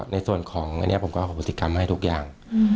ในส่วนของผมก็เอาผลติดกรรมให้ทุกอย่าง